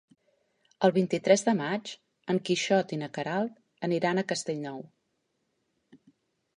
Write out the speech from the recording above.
El vint-i-tres de maig en Quixot i na Queralt aniran a Castellnou.